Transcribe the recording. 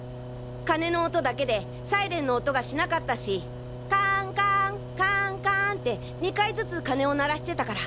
鐘の音だけでサイレンの音がしなかったしカンカンカンカンって２回ずつ鐘を鳴らしてたから。